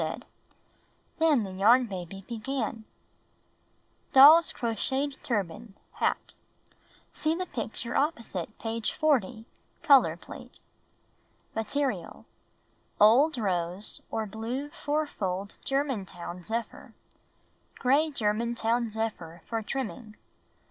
And then the Yarn Baby began: Doll's Crocheted Turban (Hat) (See the picture opposite page 40 — color plate) Material: Old rose or blue four fold Germantown zephyr. Gray Germantown zephyr for trimming.